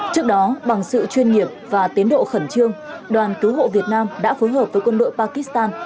trước đó bằng sự chuyên nghiệp và tiến độ khẩn trương đoàn cứu hộ việt nam đã phối hợp với quân đội pakistan